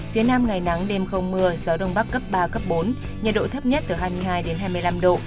phía nam ngày nắng đêm không mưa gió đông bắc cấp ba cấp bốn nhiệt độ thấp nhất từ hai mươi hai đến hai mươi năm độ